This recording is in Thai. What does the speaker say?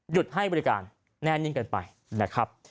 ให้บริการแน่นิ่งกันไปนะครับ